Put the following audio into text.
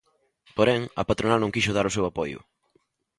Porén, a patronal non quixo dar o seu apoio.